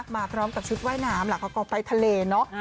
มาพร้อมกับชุดว่ายน้ำล่ะเขาก็ไปทะเลเนอะ